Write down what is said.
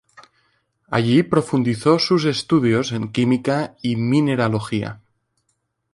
Allí profundizó sus estudios en Química y Mineralogía.